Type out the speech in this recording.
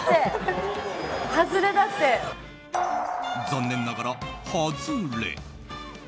残念ながら外れ。